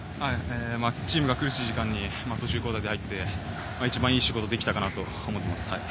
チームが苦しい時間に途中交代で入って一番いい仕事できたかなと思います。